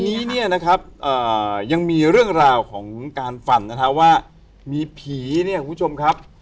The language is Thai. วันนี้เนี่ยนะครับยังมีเรื่องราวของการฝันนะฮะว่ามีผีเนี่ยคุณผู้ชมครับ